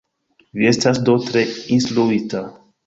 Vi estas do tre instruita?